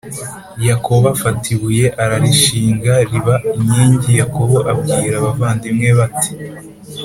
Yakobo afata ibuye ararishinga riba inkingi Yakobo abwira abavandimwe be ati